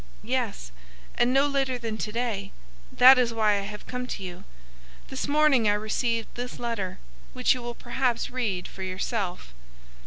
"Yes, and no later than to day. That is why I have come to you. This morning I received this letter, which you will perhaps read for yourself."